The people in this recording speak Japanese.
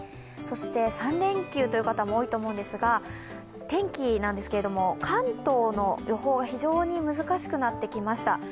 そして３連休という方も多いと思うんですが、天気ですけれども、関東の予報が非常に難しくなってきました。